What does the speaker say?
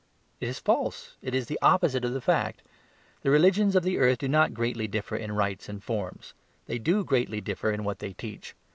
It is false; it is the opposite of the fact. The religions of the earth do not greatly differ in rites and forms; they do greatly differ in what they teach.